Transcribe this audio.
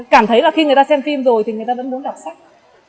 cảm thấy là khi người ta xem phim rồi thì người ta vẫn muốn đọc sách